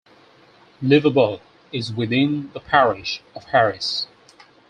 Leverburgh is within the parish of Harris.